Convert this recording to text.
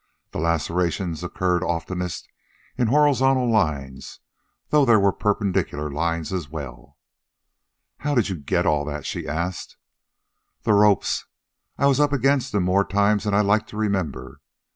The lacerations occurred oftenest in horizontal lines, though there were perpendicular lines as well. "How did you get all that?" she asked. "The ropes. I was up against 'em more times than I like to remember.